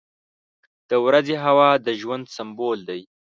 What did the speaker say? • د ورځې هوا د ژوند سمبول دی.